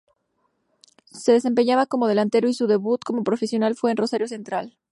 Se desempeñaba como delantero y su debut como profesional fue en Rosario Central.